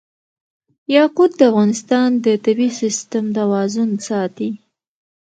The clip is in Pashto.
یاقوت د افغانستان د طبعي سیسټم توازن ساتي.